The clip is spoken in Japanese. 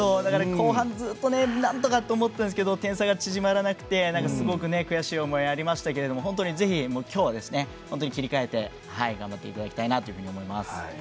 後半ずっとなんとかと思ってたんですけど点差が縮まらなくて悔しい思いがありましたけど本当に、きょうは切り替えて頑張っていきたいなと思います。